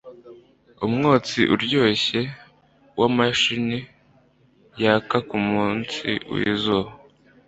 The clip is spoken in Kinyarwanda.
Umwotsi uryoshye wamashami yaka kumunsi wizuba